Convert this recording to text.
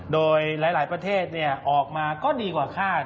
โดยหลายประเทศออกมาก็ดีกว่าคาด